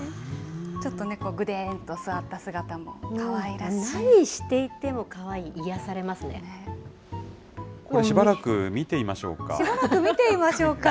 ちょっとね、ぐでーんと座った姿何していてもかわいい、癒やしばらく見ていましょうか。